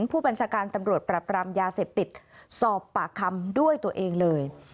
ผู้บัญชาการตำรวจปรับรามยาเสพติดสอบปากคำด้วยตัวเองเลย